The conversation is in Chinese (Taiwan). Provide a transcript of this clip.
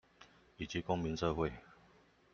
以及公民社會